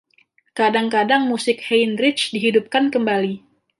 Kadang-kadang musik Heinrich dihidupkan kembali.